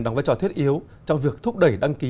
đóng vai trò thiết yếu trong việc thúc đẩy đăng ký